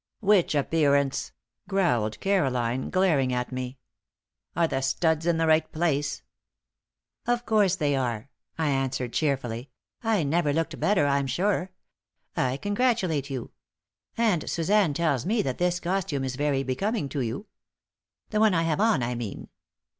"Which appearance?" growled Caroline, glaring at me. "Are the studs in the right place?" "Of course they are," I answered cheerfully. "I never looked better, I'm sure. I congratulate you. And Suzanne tells me that this costume is very becoming to you. The one I have on, I mean.